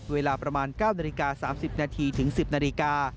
เวลาประมาณ๙นาฬิกา๓๐นาทีถึง๑๐นาฬิกา